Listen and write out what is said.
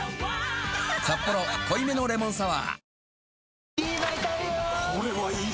「サッポロ濃いめのレモンサワー」